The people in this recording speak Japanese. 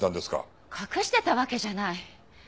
隠してたわけじゃない。